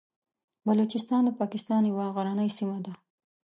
بلوچستان د پاکستان یوه غرنۍ سیمه ده.